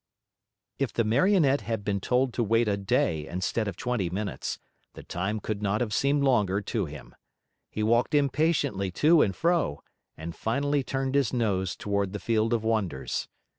If the Marionette had been told to wait a day instead of twenty minutes, the time could not have seemed longer to him. He walked impatiently to and fro and finally turned his nose toward the Field of Wonders.